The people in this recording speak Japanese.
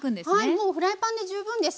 もうフライパンで十分です。